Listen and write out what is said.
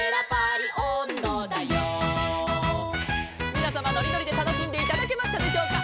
「みなさまのりのりでたのしんでいただけましたでしょうか」